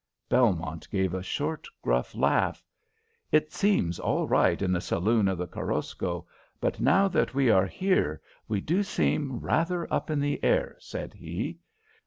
Belmont gave a short gruff laugh. "It seemed all right in the saloon of the Korosko, but now that we are here we do seem rather up in the air," said he.